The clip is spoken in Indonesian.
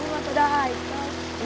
gue nggak tau udah haikal